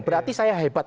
berarti saya hebat